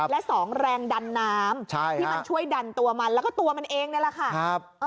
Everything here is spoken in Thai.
และสองแรงดันน้ำที่มันช่วยดันตัวมันแล้วก็ตัวมันเองนี่แหละค่ะ